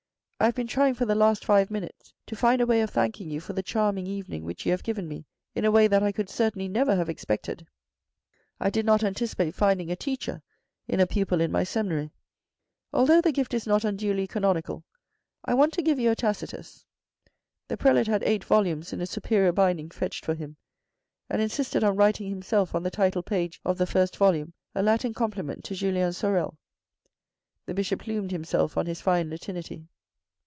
I have been trying for the last five minutes to find a way of thanking you for the charm ing evening which you have given me in a way that I could certainly never have expected. I did not anticipate finding a teacher in a pupil in my seminary. Although the gift is not unduly canonical, I want to give you a Tacitus. The prelate had eight volumes in a superior binding fetched for him, and insisted on writing himself on the title page of the first volume a Latin compliment to Julien Sorel. The Bishop plumed himself on his fine Latinity.